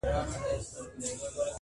ماچي سکروټي په غاښو چیچلې-